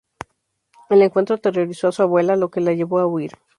El encuentro aterrorizó a su abuela, lo que la llevó a huir.